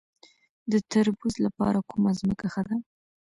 د تربوز لپاره کومه ځمکه ښه ده؟